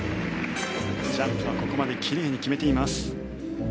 ジャンプはここまで奇麗に決めています。